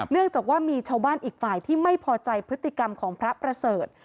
จากว่ามีชาวบ้านอีกฝ่ายที่ไม่พอใจพฤติกรรมของพระประเสริฐ